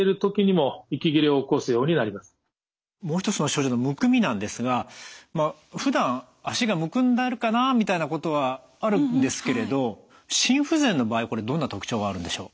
もう一つの症状のむくみなんですがふだん足がむくんでるかなみたいなことはあるんですけれど心不全の場合どんな特徴があるんでしょう？